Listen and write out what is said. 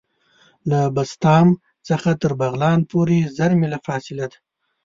له بسطام څخه تر بغلان پوري زر میله فاصله ده.